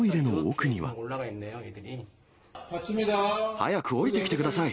早く降りてきてください。